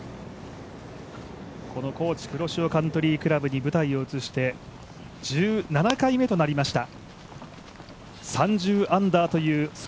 このＫｏｃｈｉ黒潮カントリークラブに舞台を移して１７回目となりました